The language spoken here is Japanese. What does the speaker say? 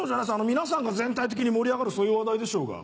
皆さんが全体的に盛り上がるそういう話題でしょうが。